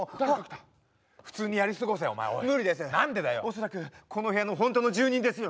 恐らくこの部屋の本当の住人ですよ。